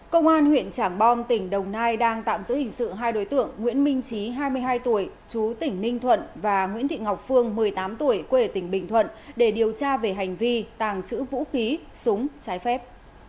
công an huyện trảng bom tỉnh đồng nai đang tạm giữ hình sự hai đối tượng nguyễn minh trí hai mươi hai tuổi chú tỉnh ninh thuận và nguyễn thị ngọc phương một mươi tám tuổi quê ở tỉnh bình thuận để điều tra về hành vi tàng trữ vũ khí súng trái phép